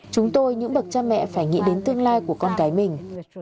chúng tôi những bậc cha mẹ phải nghĩ đến tương lai của con cái mình